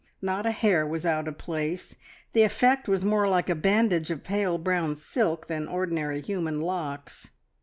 Not a hair was out of place the effect was more like a bandage of pale brown silk than ordinary human locks.